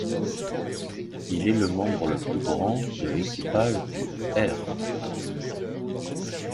Il est le membre le plus grand de l'équipage du Heart.